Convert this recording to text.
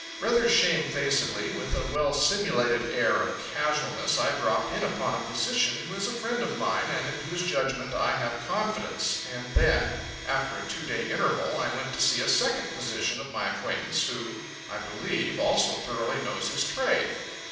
Rather shamefacedly, with a well simulated air of casualness, I dropped in upon a physician who is a friend of mine and in whose judgment I have confidence; and then, after a two day interval, I went to see a second physician of my acquaintance who, I believe, also thoroughly knows his trade.